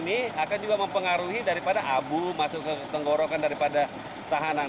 ini akan juga mempengaruhi daripada abu masuk ke tenggorokan daripada tahanan